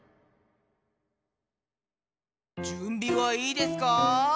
じゅんびはいいですか？